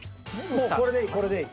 もうこれでいいこれでいい。